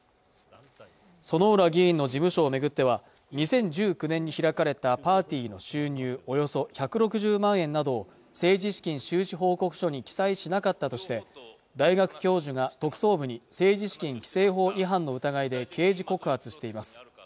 薗浦議員の事務所をめぐっては２０１９年に開かれたパーティーの収入およそ１６０万円などを政治資金収支報告書に記載しなかったとして大学教授が特捜部に政治資金規正法違反の疑いで刑事告発しています